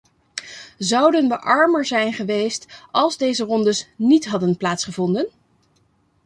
Zouden we armer zijn geweest als deze rondes niet hadden plaatsgevonden?